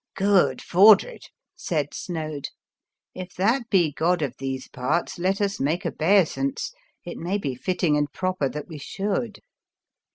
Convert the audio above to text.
" Good Fordred," said Snoad, " if that be god of these parts let us make obeisance, it may be fitting and proper that we should."